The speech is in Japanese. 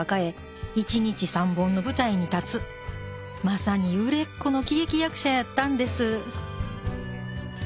まさに売れっ子の喜劇役者やったんです